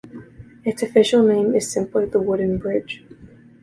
Its official name is simply the Wooden Bridge.